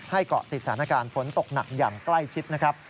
เกาะติดสถานการณ์ฝนตกหนักอย่างใกล้ชิดนะครับ